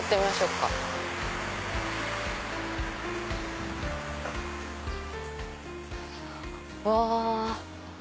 うわ。